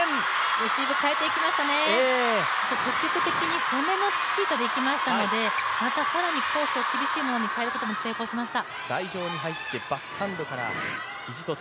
レシーブ、変えていきましたね、積極的に攻めのチキータでいきましたので、また更にコースを厳しいものに変えることに成功しました。